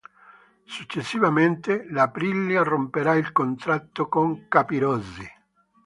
Successivamente l'Aprilia romperà il contratto con Capirossi.